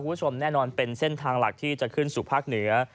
คุณผู้ชมแน่นอนเป็นเส้นทางหลักที่จะขึ้นสู่ภาคเหนือ